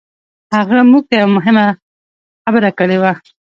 هغه موږ ته يوه مهمه خبره کړې وه.